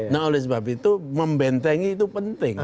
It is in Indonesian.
nah oleh sebab itu membentengi itu penting